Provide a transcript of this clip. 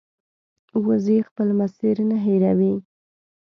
وزې خپل مسیر نه هېروي